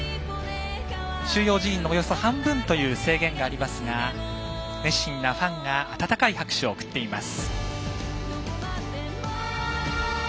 収容人員のおよそ半分という制限がありますが熱心なファンが温かい拍手を送っています。